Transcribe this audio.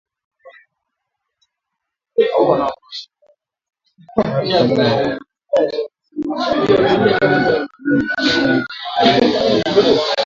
Katibu Mkuu wa Wizara ya Mafuta Andrew Kamau alisema kuwa serikali inatathmini kiwango gani kinadaiwa na mchakato huo unaweza kuchukua zaidi ya mwezi mmoja